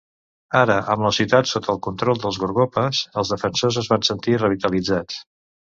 Ara amb la ciutat sota control dels Gorgopas, els defensors es van sentir revitalitzats.